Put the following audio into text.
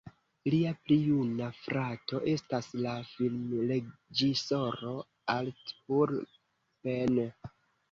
Lia pli juna frato estas la filmreĝisoro Arthur Penn.